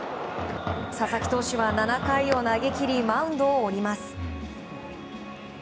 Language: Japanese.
佐々木投手は７回を投げ切りマウンドを降ります。